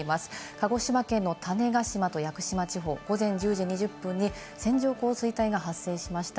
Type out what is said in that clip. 鹿児島県の種子島と屋久島地方、午前１０時２０分に線状降水帯が発生しました。